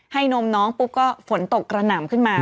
นมน้องปุ๊บก็ฝนตกกระหน่ำขึ้นมา